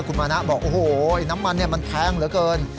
คุณมานะบอกโอ้โหน้ำมันมันแพงเหลือเกิน